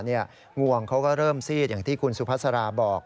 งวงเขาก็เริ่มซีดอย่างที่คุณสุภาษาราบอก